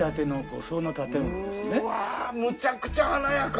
うわむちゃくちゃ華やか！